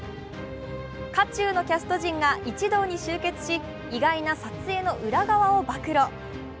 渦中のキャスト陣が一堂に集結し意外な撮影の裏側を暴露。